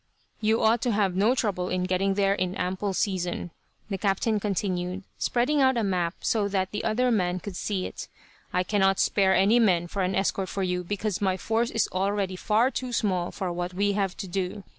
"You ought to have no trouble in getting there in ample season," the captain continued, spreading out a map so that the other man could see it. "I cannot spare any men for an escort for you, because my force is already far too small for what we have to do.